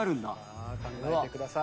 さあ考えてください。